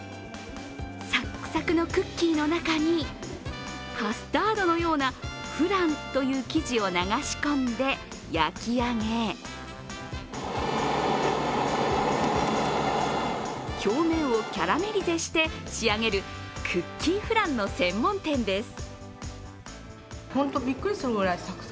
サックサクのクッキーの中にカスタードのようなフランという生地を流し込んで焼き上げ表面をキャラメリゼして仕上げるクッキーフランの専門店です。